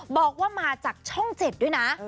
บอกว่ามาจากช่อง๗ด้วยนะ